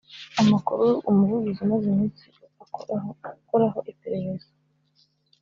Amakuru Umuvugizi umaze iminsi ukoraho iperereza